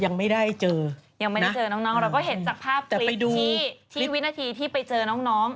ยังไม่ได้เจอน้องเราก็เห็นจากภาพคลิบที่วินาทีไปเจอน้อง